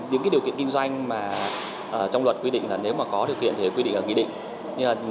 những cái điều kiện kinh doanh mà trong luật quy định là nếu mà có điều kiện thì quy định là quy định